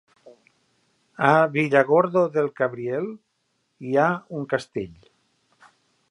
A Villargordo del Cabriel hi ha un castell?